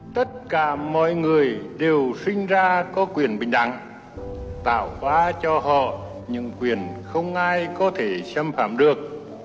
tất cả mọi người đều sinh ra có quyền bình đẳng tạo phá cho họ những quyền không ai có thể xem phạm được